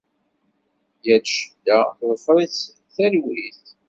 Yal ccedda teḍfer-itt talwit.